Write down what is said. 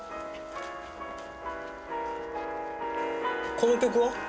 「」この曲は？